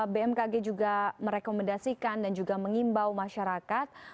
bmkg juga merekomendasikan dan juga mengimbau masyarakat